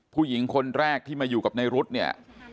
ผู้หญิงคนแรกที่มาอยู่กับในรุ๊ดเนี่ย